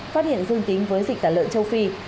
phát hiện dương tính với dịch tả lợn châu phi